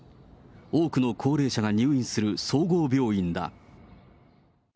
多くの高齢者が入院する総合病院だ。